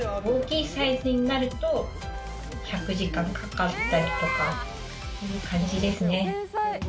大きいサイズになると１００時間かかったりとかという感じですね。